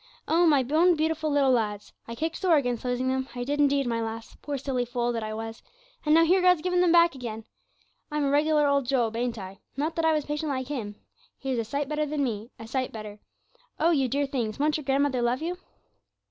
Oh! my own beautiful little lads. I kicked sore against losing them, I did indeed, my lass, poor silly fool that I was! and now here's God given me them back again. I'm a regular old Job now, ain't I? Not that I was patient, like him; he was a sight better than me a sight better. Oh, you dear things, won't your grandmother love you!'